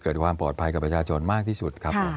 เกิดความปลอดภัยกับประชาชนมากที่สุดครับผม